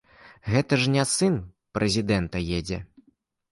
Гэта ж не сын прэзідэнта едзе.